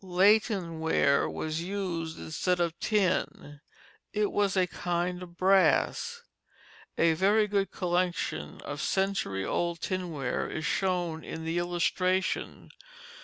Latten ware was used instead of tin; it was a kind of brass. A very good collection of century old tinware is shown in the illustration.